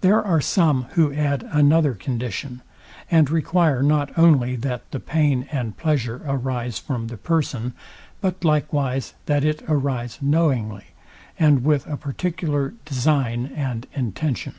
There are some, who add another condition, and require not only that the pain and pleasure arise from the person, but likewise that it arise knowingly, and with a particular design and intention.